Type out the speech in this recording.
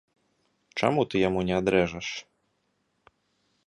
Чаму ты яму не адрэжаш?